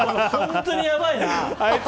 本当にやばいな。